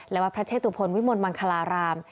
และวัดพระเชตุพลวิมลมังคลาราม